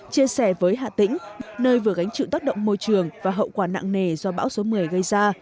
chia sẻ với hạ tĩnh nơi vừa gánh chịu tác động môi trường và hậu quả nặng nề do bão số một mươi gây ra